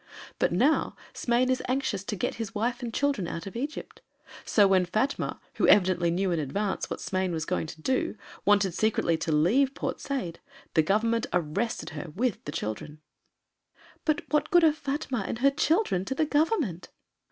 But now Smain is anxious to get his wife and children out of Egypt. So when Fatma, who evidently knew in advance what Smain was going to do, wanted secretly to leave Port Said, the Government arrested her with the children." "But what good are Fatma and her children to the Government?"